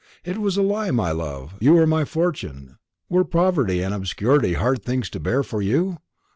It was a lie, my love; you were my fortune. Were poverty and obscurity hard things to bear for you?